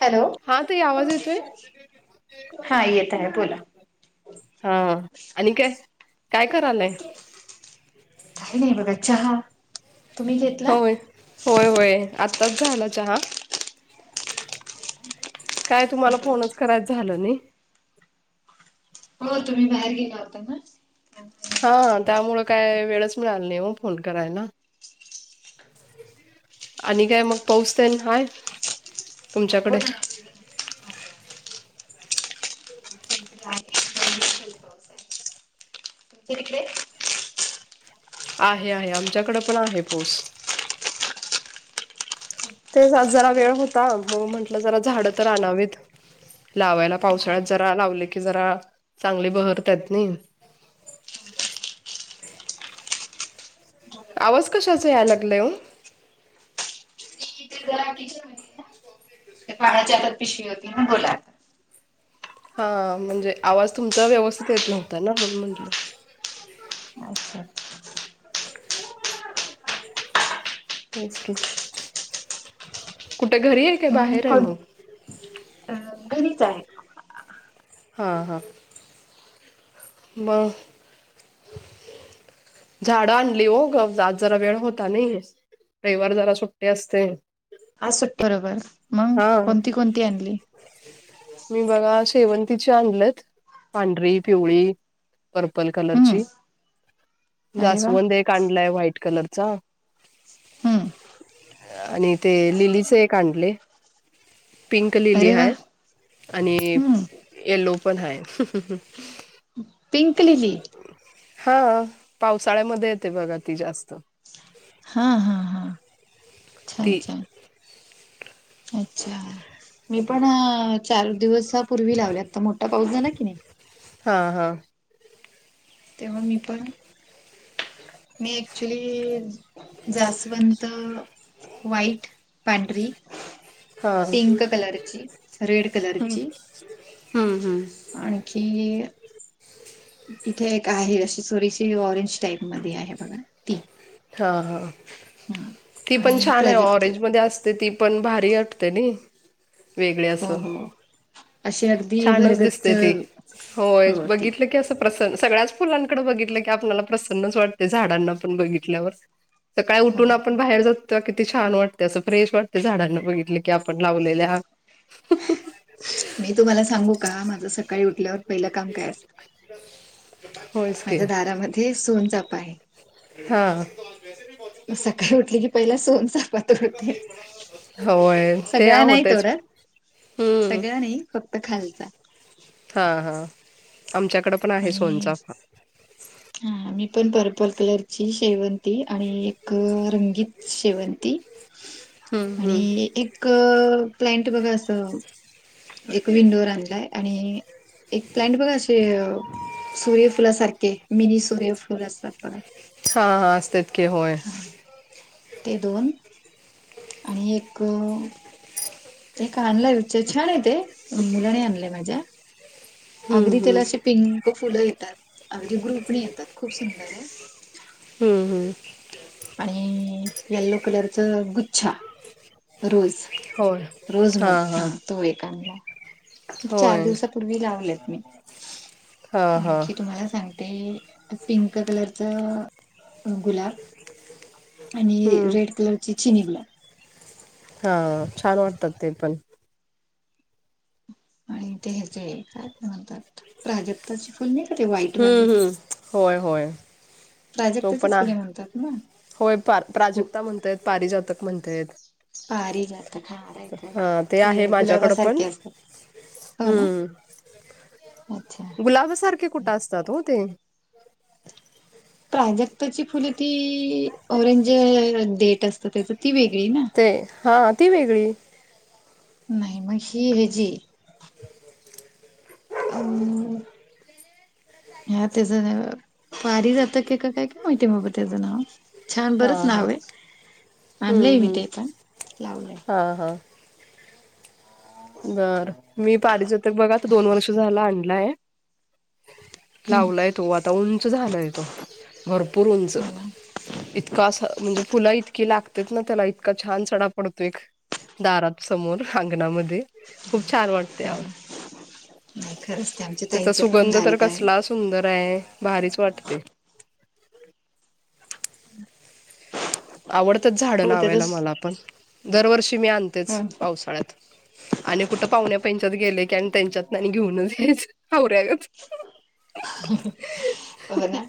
Hello हा ताई आवाज येतोय हा येत आहे बोला. हा आणि काय.. काय करालाय काय नाही बघा चहा तुम्ही घेतला होय.. होय होय आताच झाला चहा. काय तुम्हाला फोनच करायच झालं नाही. हो तुम्ही बाहेर गेला होता ना. हा त्यामुळं काय वेळच मिळाल नाही ओ फोन करायला. आणि काय मग पाऊसतेन हाय हो तुमच्याकडे? ना तुमच्या तिकडे आहे आहे आमच्याकडे पण आहे पाऊस.. ! तेच आज जरा वेळ होता मग म्हटलं जरा झाडं तर आणावीत. लावायला पावसाळ्यात जरा लावले की जरा चांगली बहरतात नाही. आवाज कशाचा यायला लागलाय ओ? टीव्हीचा जरा ईशु आहे ना. बाळाच्या हातात पिशवी होती ना बोलात. हा म्हणजे आवाज तुमचा व्यवस्थित येत नव्हता ना म्हणून म्हटलं. अच्छा तेचं की.. कुठे घरी आहे काय बाहेर आहे मग? अ घरीच आहे! हां हां मग झाडं आणली ओ ग.. आज जरा वेळ होता नयी. रविवार जरा सुट्टी असते. आज सुट्टी बरोबर मंग हा कोणती कोणती आणली? मी बघा शेवंतीची आणलेत पांढरी, पिवळी. पर्पल हम्म कलरची, अरे वा जास्वंद एक आणलाय व्हाईट कलरचा. हम्म आणि ते लिलीचे एक आणलय पिंक लिली अरे वा आहे आणि. हम्म एल्लो पण हाय.. पिंक लिली..? हा पावसाळ्यामध्ये येते बघा ती जास्त. हा हा हा ती छान छान अच्छा.. मी पण चार दिवसा पूर्वी लावल्यात आता मोठा पाऊस झाला की नी. हा हा तेव्हा मी पण. मी एक्च्युली जास्वंत व्हाईट.. पांढरी. हा पिंक हम्म कलरची, रेड कलरची. हम्म आणखी. इथे एक आहे अशी चोरीची ऑरेंज टाईप म आहे बघा. ती हा हा ह ती पण आणि छान आहे प्राजक्त ऑरेंज म अस. तर ती पण भारी वाटते ना वेगळे हो असं. हो अशी अगदी छानच भरगच्च दिसते ती होय हो ती बघितलं की अस. प्रसन् सगळ्याच फुलांकडे बघितलं की आपल्याला प्रसन्नच वाटते झाडांना आपण बघितल्यावर. सकाळी हो उठून आपण बाहेर जाउ. किती छान वाटते असं फ्रेश वाटते झाडांना बघितले की आपण लावलेल्या. मी तुम्हाला सांगू का माझं सकाळी उठल्यावर पहिलं काम काय असत. हम्म माझ्या दारामध्ये सोनचापा आहे. हा मग सकाळी उठली की पहिला सोनचाफा. ते.. होय ते सगळ नाही होतच थोडं हम्म सगळ नाही फक्त खालचा हा हा आमच्याकडे पण आहे आणि सोनचाफा. हा मी पण पर्पल कलरची शेवंती आणि एक रंगीत शेवंती हम्म हम्म. आणि एक प्लांट बघा अस एक विंडोवर आणधलाय आणि एक क्लायंट बघा असे सूर्यफुलासारखे मिनी सूर्यफुल असतात बघ हा हा तितके होय ते दोन आणि एक ते का आणलंय छान आहेेत मुलाने आणलंय माझ्या हम्म अगदी त्याला हम्म. अशी पिंक फुलं येतात अगदी ग्रुपची येतात खूप सुंदर आहे हम्म हम्म आणि येल्लो कलरच गुच्छा रोज. होय रोज मत हा तो एकांला. चार होय दिवसापूर्वी लावलेत मी हा हा. आणखी तुम्हाला सांग. ते पिंक कलर गुलाबी ह आणि रेड कलरची चिनीला हा छान वाटतात ते पण आणि ते ह जे काय म्हणतात प्राजक्ताची फुल का ते व्हाईटवाले हम्म हम्म होय होय तो पण प्राजक्ताचेच फुले म्हणतात ना होय गु प्राजक्ता म्हणताय पारिजातक म्हणताय पारीजात हा राह रा हा ते आहे माझ्याकडं पण. गुलाबाासारखे असतात हो ना अच्छा हम्म गुलाब सारखे कुठे असतात हो ते प्राजक्ताची फुले ती ओरेंज डेट असत त्याच ती वेगळी ना ते हा ती वेगळी नाही मग ही हजी अ हा त्याचं पारी जात के का काय की माहिती आहे मबा त्याचं नाव छान हा बरंच हा. नाव आहे हम्म आणनलंय मी हम्म. ते पण लावलं हा हा बर मी पारिजातक बघा त दोन वर्ष झालं आणलाय हम्म लावलाय तो आता उंच झालाय तो भरपूर उंच हो ना हो इतका असं म्हणजे पुला इतकी लागते ना त्याला इतका छान सडा पडतो एक दारात समोर अंगणामध्ये खूप छान वाटते ना नाही खरंच ते आमच्या त्याचा ताईंच्या पण सुगंध तर दारात आहे. कसला सुंदर आहे भारीच वाटते. आवडतच झाडं हो लावायला त्याच मला पण दरवर्षी मी आणतेच हो पावसाळ्यात आणि कुठं पाहुण्या पहिच्यात गेले की आणि त्यांच्यात घेऊनच यायचवऱ्या हो ना.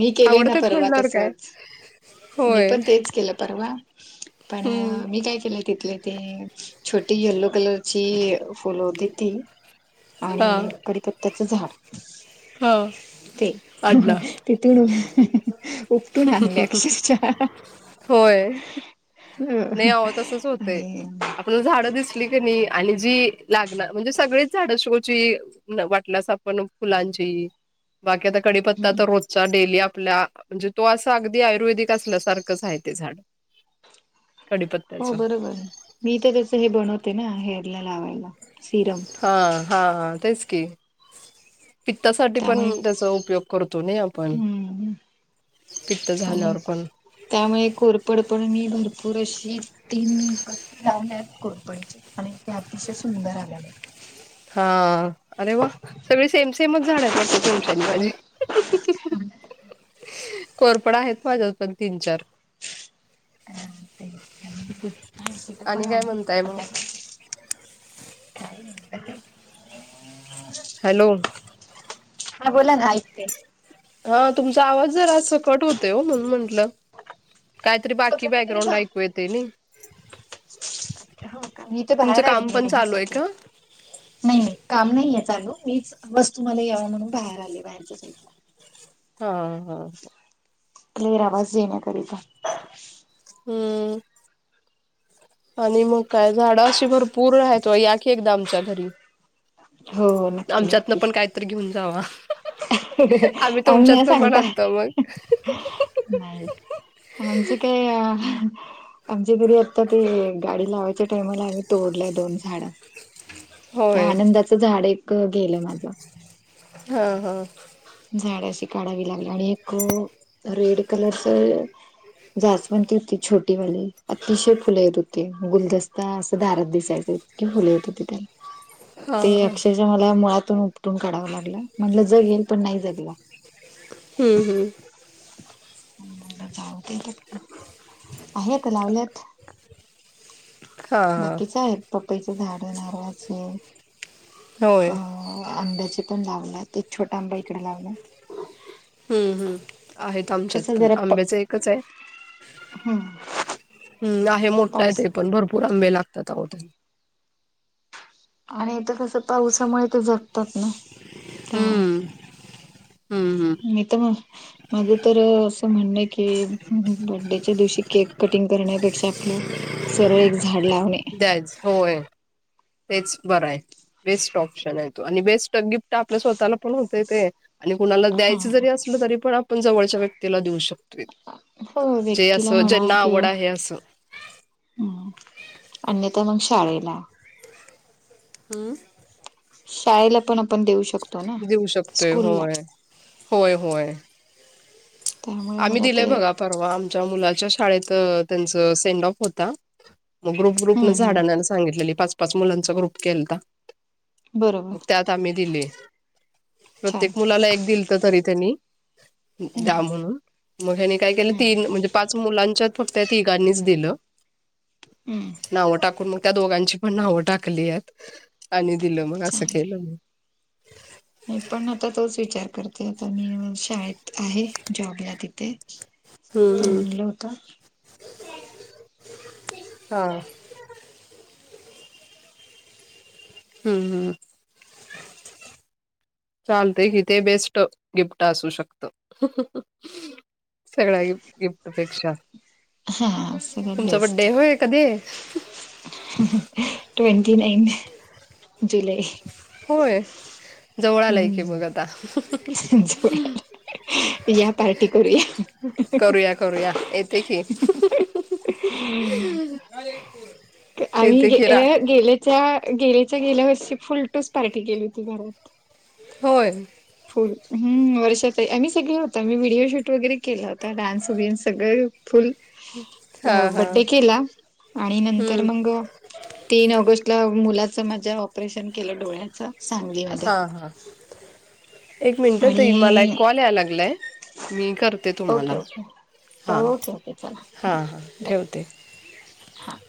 मी केले ना आवडतात परवा म्हणल्यावर काय तसच. मी पण होय तेच केलं परवा पण हम्म मी काय केलंय तिथले ते छोटी येलो कलरची फुल होती ती. हा आणि करीपत्त्याच झाड हा ते अडला. तिथून उपटून आणल्या अक्षरच्या होय अ आणि आपण झाडं दिसली क नाही आणि जी लागणार म्हणजे सगळीच झाडं शिकवची. वाटल्यास आपण फुलांची बाकी आता कडीपत्ता हम्म. तर रोप डेली आपल्या म्हणजे तो असं अगदी आयुर्वेदिक असल्यासारखंच आहे ते झाड कडीपत्त्याच हो बरोबर मी तर त्याच हे बनवते ना हेअरला लावायला सिरम हा हा तेच की पित्तासाठी पण त्यामुळे त्याचा उपयोग करतो ना आपण हम्म पित्त आणि झाल्यावर पण त्यामुळे कोरफड म भरपूर अशी तीन गट्टी लावल्या. कोरपडीचे आणि ते अतिशय सुंदर आलेले. हा. अरे वा सगळे सेम सेमच झाडत वाटतं तुमच्यानी माझी आहेत कोरपड आहेत माझ्यात पण तीन चार ते आणि हळशीट पण आणि काय आहे म्हणताय मग सध्या काही नाही क हॅलो. नाही बोला घयच ते हा तुमचा आवाज जर आज सकट होत हो म्हणून म्हंटलं. काहीतरी हो बाकी तुम्ही तरी बॅकग्राउंड ऐकू येते ना. हो मी तर बाहेर आली पण चालू आहे रेंजसाठी का नाही नाही काम नाहीय चालू मीच बस तुम्हाला यावा म्हणून बाहेर आले बाहेरच्या साईडला हा हा. क्लिअर आवाज येेण्याकरीता हम्म. आणि मग काय झाडं अशी भरपूर राहत वा या कि एकदा आमच्या घरी हो हो नक्की आमच्यातन नक्की पण कायतरी घेऊन जावा. आम्ही नाही तुमच्यातन पण सांगता. आणतो मग नाही म्हणजे काय अ आमच्या घरी आता ते गाडी लावायच्या टायमाला आम्ही तोडल्या दोन झाड त्या होय आनंदाचं झाड एक गेलं माझं हा हा. झाडशी काढावी लागली आणि एक रेड कलरच जास्वंदी होती छोटीवाली अतिशय फुले येत होते गुलदस्ता असं दारात दिसायचं फुले हो त ते त्याय हा ते हा अक्षरशः मला मुळातून उपटून काढावं लागलं म्हणलं जगेल पण नाही जगलं हम्म हम्म. जाऊ आहेत का लावल्यात. हा बाकीच आहे पपईच झाड आहे नारळाचे हा होय अ आंब्याचे पण लावलं ते छोट आंबा इकडे लावला. हम्म हम्म आहेत आमच्यात कस पण जरा प आंब्याच एकच आहे. हम्म हम्म आहे मोठा आहे पाऊस ते पण भरपूर आंबे लागतात आहो आणि इथं कस पावसामुळे ते जगतात ना त्यामुळे. हम्म हम्म हम्म. मी त म माझं तर अ असं म्हणणं की बर्डेच्या दिवशी केक कटिंग करण्यापेक्षा आपलं सरळ एक झाड लावणे. [unintelligible] होय. तेच बरंय बेस्ट ऑप्शन आहे तो आणि बेस्ट गिफ्ट आपल्या स्वतःला पण होतय ते. आणि कुणाला हा द्यायचं जरी असलं तरी पण आपण जवळच्या व्यक्तीला देऊ शकतो. हो जे व्यक्तीला असं म्हणा ज्यांना आवड किंवा आहे असं. हम्म अन्यथा मग शाळेला हम्म. शाळेला पण आपण देऊ शक देऊ शकतोय होय होय होय. त्यामुळे आम्ही मला दिलंय ते बघा परवा आमच्या मुलाच्या शाळेत त्यांच सेंड ऑफ होता मग ग्रुप ग्रुप हम्म न झाड हम्म आनाय सांगितलेली पाच पाच मुलांचा ग्रुप केलता बरोबर मग त्यात त आमी दिले छान प्रत्येक मुलाला एक दिलत तरी त्यांनी. हम्म त्यामुळं मग ह्यानी काय केलं हम्म तीन म्हणजे पाच मुलांच्यात फक्त या तिघांनीच दिलं. हम्म. नावं टाकून मग त्या दोघांची पण नावं टाकली यात आणि दिलं मग असं छान केलं. मी पण आता तोच विचार करते आता मी शाळेत आहे जॉबला तिथे. हम्म हम्म म्हणलं होत हा. हम्म हम्म. चालतेय कि ते बेस्ट गिफ्ट असू शकतं. सगळ्या गिफ्ट गिफ्ट पेक्षा. हा सगळ्यात तुमचा बेस्ट बड्डेय होय? कधी आहे? ट्वेंटी नाईन जुलै. होय जवळ आलाय कि हम्म मग आता. या पार्टी करूया करूया करूया येते की. हम्म. ते ते खीरा च्या गेलेच्या गेल्या वर्षी फुलटूस पार्टी केली होती घरांत. होय. फुल हम्म वर्षा ताई आम्ही सगळे होत मी व्हिडिओ शूट वगैरे केला होता डान्स बिन्स सगळं फुल हा हा बड्डे केला आणि नंतर हम्म मगं तीन ऑगस्टला मुलाच माझ्या ऑपरेशन केलं डोळ्याच सांगलीमध्ये. हा एक मिनट ताई मला आणि कॉल याला लागलाय. मी करते ओके तुम्हांला ओके हां ओके ओके हां हां ठेवते. हां.